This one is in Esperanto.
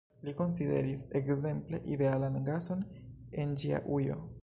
Li konsideris, ekzemple, idealan gason en ĝia ujo.